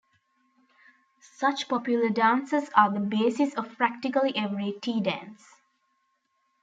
Such popular dances are the basis of practically every 'Tea Dance'.